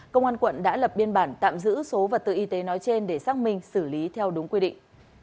công an quận đã lập biên bản tạm giữ số vật tư y tế nói trên để xác minh xử lý theo đúng quy định